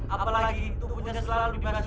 apalagi tubuhnya selalu dibahas